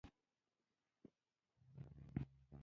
امریکایي متل وایي زړور یو ځل مري.